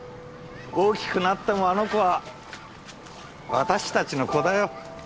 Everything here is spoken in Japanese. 大きくなってもあの子は私たちの子だよ。